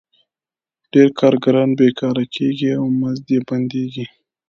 ډېر کارګران بېکاره کېږي او مزد یې بندېږي